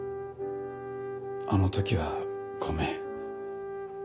あの時はごめん。